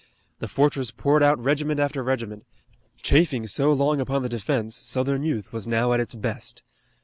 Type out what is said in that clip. The fortress poured out regiment after regiment. Chafing so long upon the defense Southern youth was now at its best.